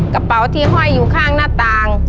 กระเป๋าที่ห้อยอยู่ข้างหน้าต่าง